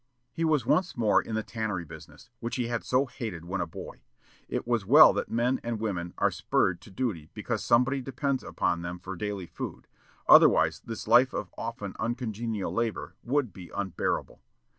He was once more in the tannery business, which he had so hated when a boy. It is well that men and women are spurred to duty because somebody depends upon them for daily food, otherwise this life of often uncongenial labor would be unbearable.